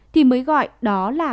thì mới gọi đó là